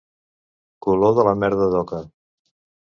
Color de merda d'oca.